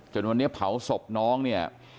จนวันนี้เผาศพน้องเนี่ย